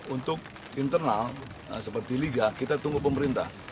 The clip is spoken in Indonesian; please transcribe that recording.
untuk internal seperti liga kita tunggu pemerintah